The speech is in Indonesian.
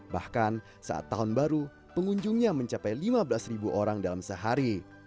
bahkan saat tahun baru pengunjungnya mencapai lima belas orang dalam sehari